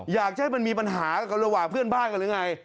อยากจะให้มันมีปัญหากับระหว่างเพื่อนบ้านกันหรือไง